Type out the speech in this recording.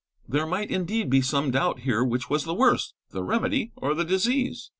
There might indeed be some doubt here which was the worse, the remedy or the disease.